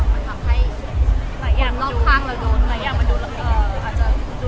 มันทำให้หลายอย่างนอกข้างเราโดน